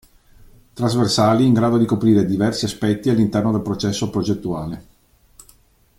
Trasversali in grado di coprire diversi aspetti all'interno del processo progettuale.